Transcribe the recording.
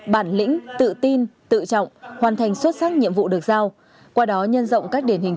bản lĩnh tự tin tự trọng hoàn thành xuất sắc nhiệm vụ được giao qua đó nhân rộng các điển hình